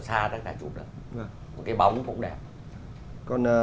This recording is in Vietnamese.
cái bóng cũng đẹp